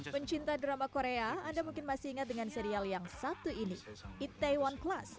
pencinta drama korea anda mungkin masih ingat dengan serial yang satu ini itaewon class